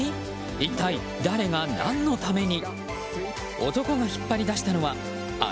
一体、誰が何のために。